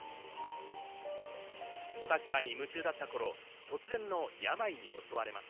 サッカーに夢中だった頃、突然の病に襲われます。